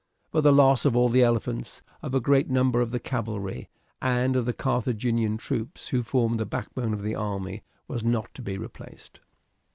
But the loss of all the elephants, of a great number of the cavalry, and of the Carthaginian troops, who formed the backbone of the army, was not to be replaced.